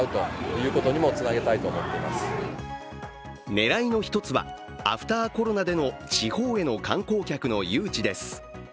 狙いの一つはアフターコロナでの地方への観光客の誘致です。